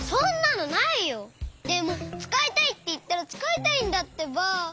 でもつかいたいっていったらつかいたいんだってば！